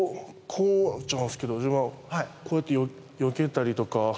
こうなっちゃうんですけど自分は、こうしてよけたりとか。